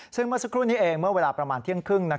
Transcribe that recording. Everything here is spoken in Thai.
ซึ่งเมื่อสักครู่นี้เองเมื่อเวลาประมาณเที่ยงครึ่ง